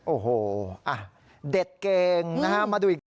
โอ้โหอ่ะเด็ดเก่งนะฮะมาดูอีก